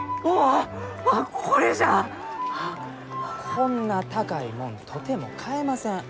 こんな高いもんとても買えません。